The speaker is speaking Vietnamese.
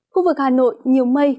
khu vực hà nội nhiều mây